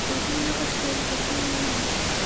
هغوی نه غوښتل بدلون ومني.